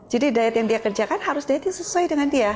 jadi diet yang dia kerjakan harus diet yang sesuai dengan dia